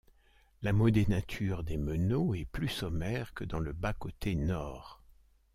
La modénature des meneaux est plus sommaire que dans le bas-côté nord.